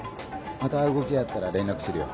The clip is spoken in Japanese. また動きあったら連絡するよ。